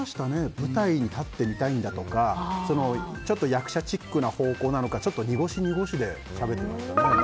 舞台に立ってみたいんだとかちょっと役者チックな方向なのかちょっと濁し濁しでしゃべってましたね。